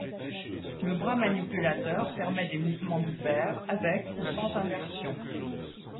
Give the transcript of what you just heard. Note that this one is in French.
Le bras manipulateur permet des mouvements divers, avec ou sans inversions.